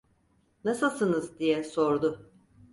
"Nasılsınız?" diye sordu.